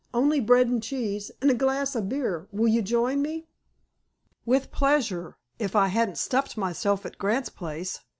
On'y bread and cheese an' a glass of beer. Will you join me?" "With pleasure, if I hadn't stuffed myself at Grant's place.